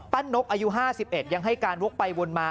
พวกอายุห้าสิบเอ็ดยังให้การลวกไปวนมา